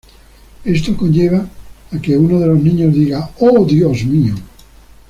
Esto conlleva a que uno de los niños diga: "¡Oh Dios mío!